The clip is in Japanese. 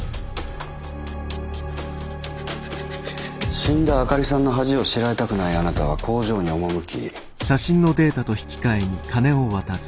死んだ灯里さんの恥を知られたくないあなたは工場に赴き。